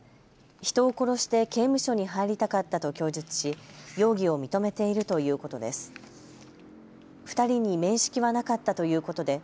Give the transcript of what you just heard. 人を殺して刑務所に入りたかったと供述し容疑を認めているということです。